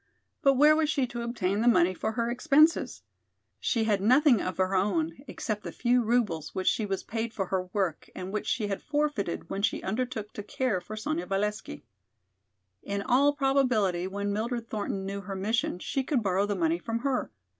But where was she to obtain the money for her expenses? She had nothing of her own except the few roubles which she was paid for her work and which she had forfeited when she undertook to care for Sonya Valesky. In all probability when Mildred Thornton knew her mission she could borrow the money from her.